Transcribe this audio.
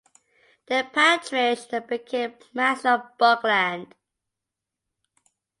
Their patriarch then became Master of Buckland.